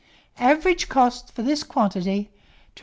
Average cost, for this quantity, 2s.